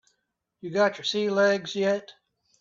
You got your sea legs yet?